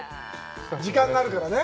時間があるからね？